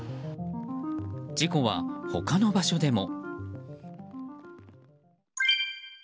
事故は他の場所でも。